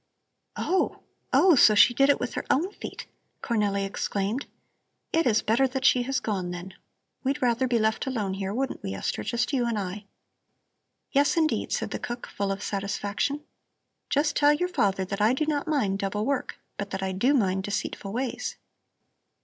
"Oh, oh! So she did it with her own feet," Cornelli exclaimed. "It is better that she has gone then. We'd rather be left alone here, wouldn't we, Esther, just you and I?" "Yes, indeed," said the cook, full of satisfaction. "Just tell your father that I do not mind double work, but that I do mind deceitful ways."